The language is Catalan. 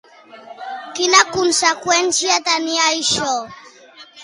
Quina conseqüència tenia això?